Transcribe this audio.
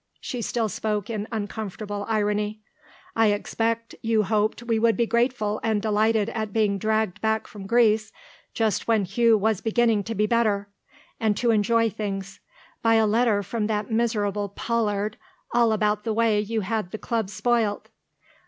She still spoke in uncomfortable irony. "I expect you hoped we would be grateful and delighted at being dragged back from Greece just when Hugh was beginning to be better, and to enjoy things, by a letter from that miserable Pollard all about the way you had the Club spoilt.